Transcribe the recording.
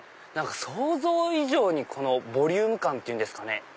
想像以上にこのボリューム感っていうんですかね。